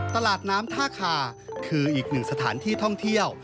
ตลาดน้ำท่าคาคืออีกหนึ่งสถานที่ท่องเที่ยว